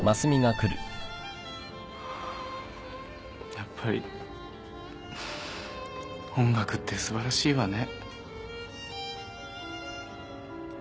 やっぱり音楽ってすばらしいわね。